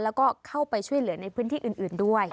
แล้วก็เข้าไปช่วยเหลือในพื้นที่อื่นด้วย